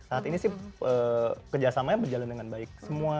saat ini sih kerjasamanya berjalan dengan baik